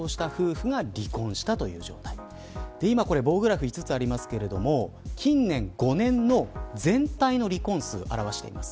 今、棒グラフ５つありますけれども近年５年の全体の離婚数を表しています。